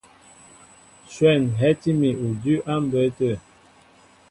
Shwɛ̂n hɛ́tí mi udʉ́ á mbə̌ tə.